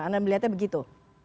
anda melihatnya begitu